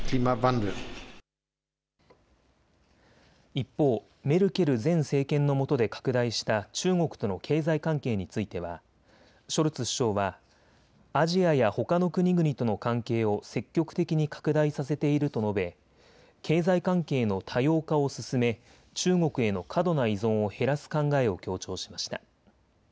一方、メルケル前政権のもとで拡大した中国との経済関係についてはショルツ首相はアジアやほかの国々との関係を積極的に拡大させていると述べ経済関係の多様化を進め中国への過度な依存を減らす考えを強調しました。